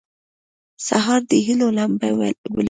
سهار د هيلو لمبه بلوي.